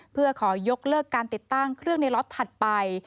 เพื่อขอยกเลิกการติดตั้งเครื่องในล็อตถัดไป